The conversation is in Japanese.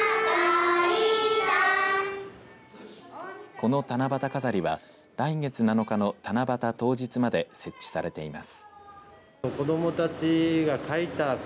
この七夕飾りは来月７日の七夕当日まで設置されています。